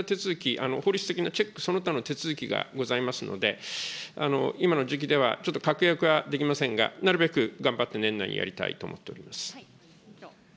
ただこれ、法律的な手続き、法律的なチェック、その他の手続きがございますので、今の時期ではちょっと確約はできませんが、なるべく頑張って年内にやりたいと思っております。